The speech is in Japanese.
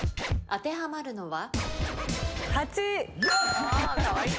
当てはまるのは？